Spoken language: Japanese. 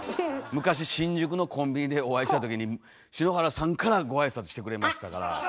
昔新宿のコンビニでお会いした時に篠原さんからごあいさつしてくれましたから。